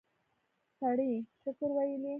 سړی شکر ویلی.